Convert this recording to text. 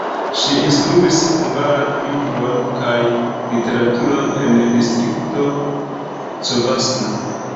Ŝi instruis hungaran lingvon kaj literaturon en Distrikto Covasna.